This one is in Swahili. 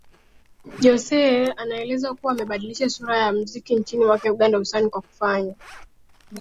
Jose anaelezwa kuwa amebadilisha sura ya muziki nchini mwake Uganda hususan kwa kufanya